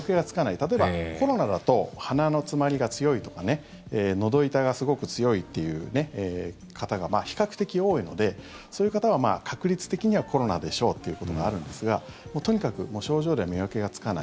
例えば、コロナだと鼻の詰まりが強いとかのど痛がすごく強いっていう方が比較的多いのでそういう方は確率的にはコロナでしょうということがあるんですがとにかくもう症状では見分けがつかない。